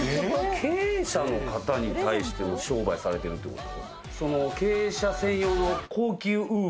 経営者の方に対して商売されてるってこと？